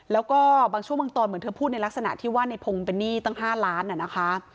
แล้วก็บางช่วงบางตอนเหมือนเธอพูดในลักษณะที่ว่าในพงศ์เป็นหนี้ตั้ง๕ล้านนะคะ